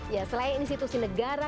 ya selain institusi negara